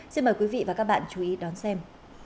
xin mời quý vị và các bạn chú ý đón xem